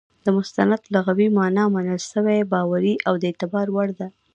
د مستند لغوي مانا منل سوى، باوري، او د اعتبار وړ ده.